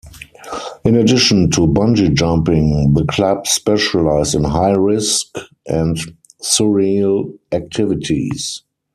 In addition to bungee jumping, the club specialised in high risk and surreal activities.